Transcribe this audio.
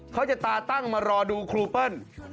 เขาจะตาตั้งมารอดูครูเปิ้ล